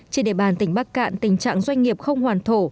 trên địa bàn tỉnh bắc cạn tình trạng doanh nghiệp không hoàn thổ